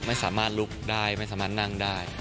ไม่สามารถลุกได้ไม่สามารถนั่งได้